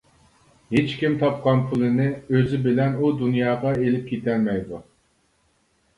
ھېچكىم تاپقان پۇلىنى ئۆزى بىلەن ئۇ دۇنياغا ئېلىپ كېتەلمەيدۇ.